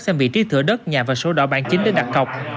xem vị trí thửa đất nhà và số đỏ bản chính để đặt cọc